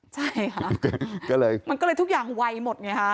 ใช่ค่ะมันก็เลยทุกอย่างไวหมดไงค่ะ